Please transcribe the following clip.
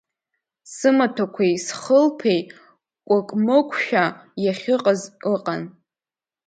Сымаҭәақәеи схылԥеи кәык-мыкәшәа иахьыҟаз ыҟан.